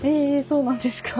そうなんですか。